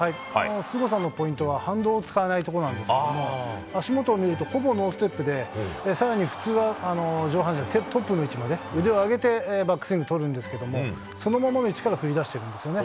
すごさのポイントは反動を使わないところなんですけれども、足元を見ると、ほぼノーステップで、さらに普通は上半身、トップの位置まで腕を上げてバックスイング取るんですけど、そのままの位置から振りだしてるんですよね。